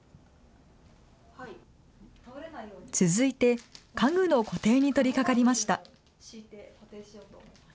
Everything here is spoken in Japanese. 続いて、家具の固定に取りかかりました。